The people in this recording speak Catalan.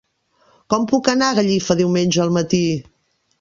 Com puc anar a Gallifa diumenge al matí?